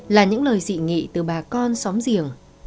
là những lời dị nghị từ bà con xóm giềng